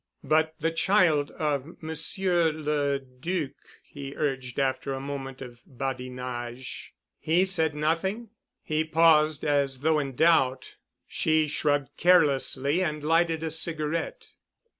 "But the child of Monsieur the Duc——" he urged after the moment of badinage. "He said nothing——?" He paused as though in doubt. She shrugged carelessly and lighted a cigarette.